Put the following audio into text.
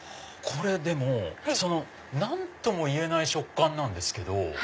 これでも何とも言えない食感なんですけど。